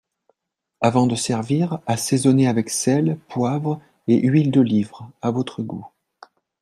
Avant de servir, assaisonner avec sel, poivre et huile d’olive à votre goût